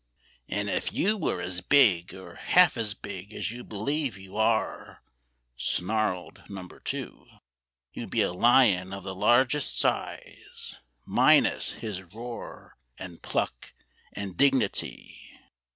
"And if you were as big, or half as big, As you believe you are," snarled Number Two, "You'd be a lion of the largest size Minus his roar, and pluck, and dignity."